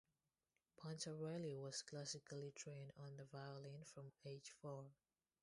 Pontarelli was classically trained on the violin from age four.